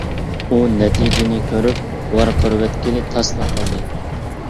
ئۇ نەتىجىنى كۆرۈپ ۋارقىرىۋەتكىلى تاسلا قالدى.